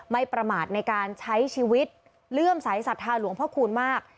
ประมาทในการใช้ชีวิตเลื่อมสายศรัทธาหลวงพ่อคูณมาก